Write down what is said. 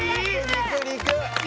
肉肉！